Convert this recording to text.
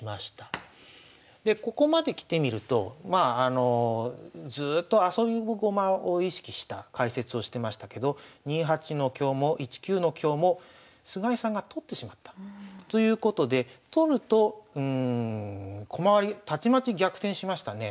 でここまで来てみるとずっとあそび駒を意識した解説をしてましたけど２八の香も１九の香も菅井さんが取ってしまったということで取ると駒割りたちまち逆転しましたね。